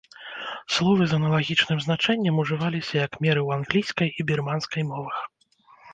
Словы з аналагічным значэннем ужываліся як меры ў англійскай і бірманскай мовах.